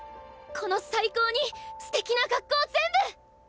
この最高にステキな学校全部！